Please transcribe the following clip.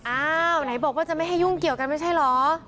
อ้าวไหนบอกว่าจะไม่ให้ยุ่งเกี่ยวกันไม่ใช่เหรอ